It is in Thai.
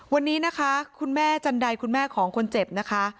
วันนี้นะคะคุณแม่จันไดคุณแม่ของคนเจ็บนะคะ